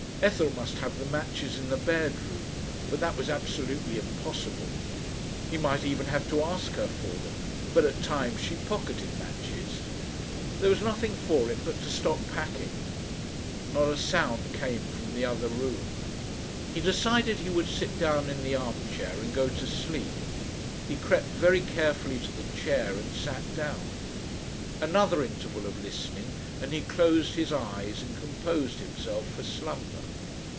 Ethel must have the matches in the bedroom, but that was absolutely impossible. He might even have to ask her for them, for at times she pocketed matches.... There was nothing for it but to stop packing. Not a sound came from the other room. He decided he would sit down in the armchair and go to sleep. He crept very carefully to the chair and sat down. Another interval of listening and he closed his eyes and composed himself for slumber.